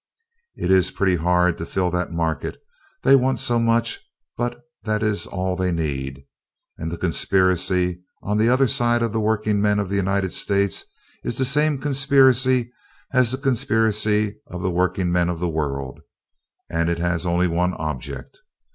It is pretty hard to fill that market, they want so much; but that is all they need. And the conspiracy on the other side of the workingman of the United States is the same conspiracy as the conspiracy of the workingman of the world, and it has only one object.